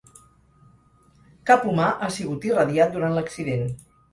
Cap humà ha sigut irradiat durant l'accident.